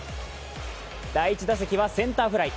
第１打席はセンターフライ。